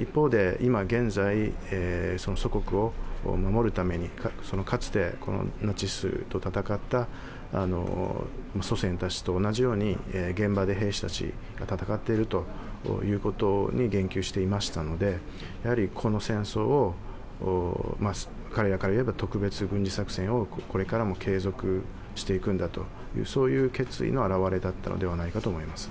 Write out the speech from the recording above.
一方で今現在、祖国を守るために、かつてナチスと戦った祖先たちと同じように現場で兵士たちが戦っていることに言及していましたので、この戦争を、彼らから言えば特別軍事作戦を、これからも継続していくんだという決意の表れだったのではないかと思います。